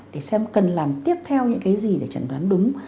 để xem cần làm tiếp theo những cái gì để chẩn đoán đúng